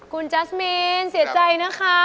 คุณจัสมีนเสียใจนะคะ